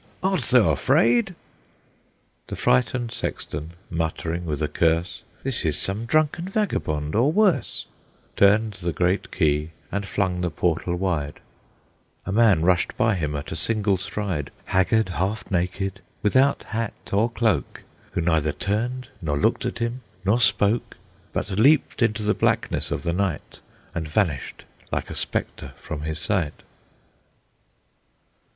Art thou afraid?" The frightened sexton, muttering, with a curse, "This is some drunken vagabond, or worse!" Turned the great key and flung the portal wide; A man rushed by him at a single stride, Haggard, half naked, without hat or cloak, Who neither turned, nor looked at him, nor spoke, But leaped into the blackness of the night, And vanished like a spectre from his sight.